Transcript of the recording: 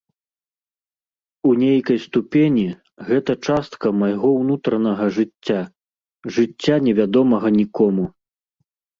У нейкай ступені, гэта частка майго ўнутранага жыцця, жыцця невядомага нікому.